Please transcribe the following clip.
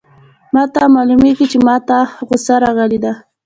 ما ته معلومیږي چي ما ته غوسه راغلې ده.